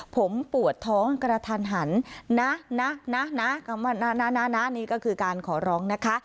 ผมปวดท้องกระทันหันนะนะนี่ก็คือการขอร้องนะคะ